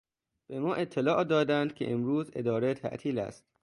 به ما اطلاع دادند که امروز اداره تعطیل است.